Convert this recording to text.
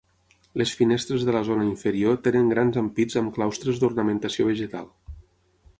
Les finestres de la zona inferior tenen grans ampits amb claustres d'ornamentació vegetal.